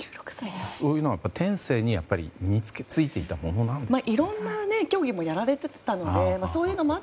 そういうのは天性に身に付いていたものなんですか？